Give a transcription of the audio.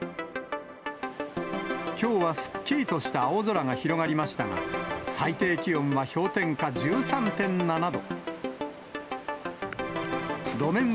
きょうはすっきりとした青空が広がりましたが、最低気温は氷点下１３．７度。